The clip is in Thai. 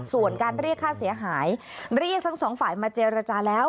ส่วนการเรียกค่าเสียหายเรียกทั้งสองฝ่ายมาเจรจาแล้ว